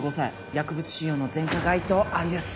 薬物使用の前科該当ありです。